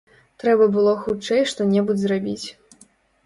Трэба было хутчэй што-небудзь зрабіць.